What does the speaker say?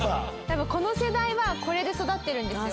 多分この世代はこれで育ってるんですよ。